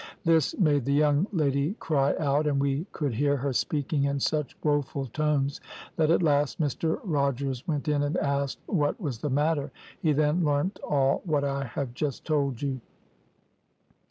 This made the young lady cry out, and we could hear her speaking in such woeful tones that at last Mr Rogers went in and asked what was the matter; he then learnt all what I have just told you.